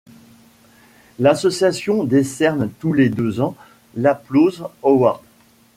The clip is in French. L'association décerne tous les deux ans l'Applause Award.